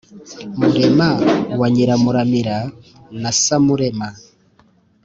murema wa nyiramuramira na samurema